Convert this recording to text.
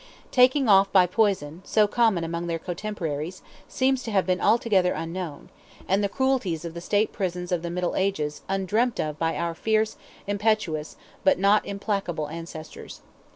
Taking off by poison, so common among their cotemporaries, seems to have been altogether unknown, and the cruelties of the State Prisons of the Middle Ages undreamt of by our fierce, impetuous, but not implacable ancestors.